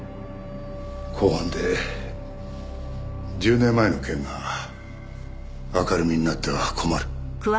公判で１０年前の件が明るみになっては困る。